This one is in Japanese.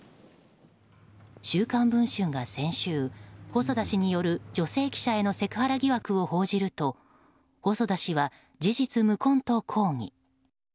「週刊文春」が先週細田氏による女性記者へのセクハラ疑惑を報じると細田氏は、事実無根と抗議。